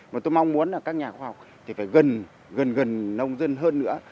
mà tôi mong muốn là các nhà khoa học thì phải gần gần gần nông dân hơn nữa